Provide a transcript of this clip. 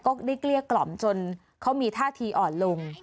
เกลี้ยกล่อมจนเขามีท่าทีอ่อนลง